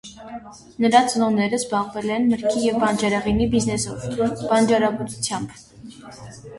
Նրա ծնողները զբաղվել են մրգի և բանջարեղենի բիզնեսով՝ բանջարաբուծությամբ։